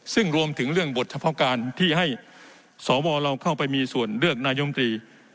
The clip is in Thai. ซึ่งรวมถึงเรื่องบทเฉพาะการที่ให้สวเราเข้าไปมีส่วนเลือกนายมตรี